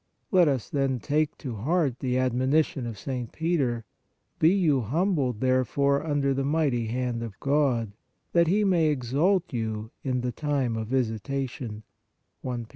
Let us, then, take to heart the admonition of St. Peter :" Be you humbled therefore under the mighty hand of God, that He may exalt you in the time of visitation" (I Pet.